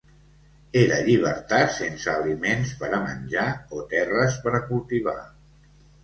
Era llibertat sense aliments per a menjar o terres per a cultivar.